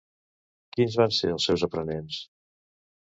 Quins van ser els seus aprenents?